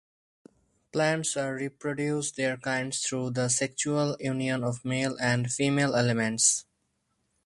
Plants reproduce their kinds through the sexual union of male and female elements.